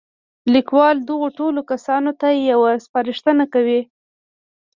ليکوال دغو ټولو کسانو ته يوه سپارښتنه کوي.